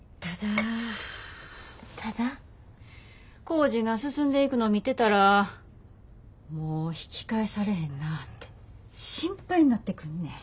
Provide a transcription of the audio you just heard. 工事が進んでいくの見てたらもう引き返されへんなぁて心配になってくんねん。